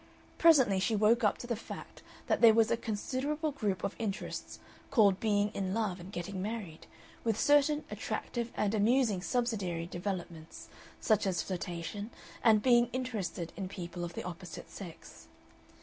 Presently she woke up to the fact that there was a considerable group of interests called being in love and getting married, with certain attractive and amusing subsidiary developments, such as flirtation and "being interested" in people of the opposite sex.